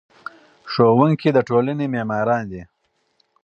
ښوونکي د ټولنې معماران دي.